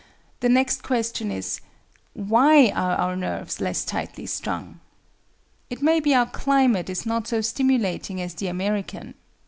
The next question is,—Why are our nerves less tightly strung? It may be our climate is not so stimulating as the American.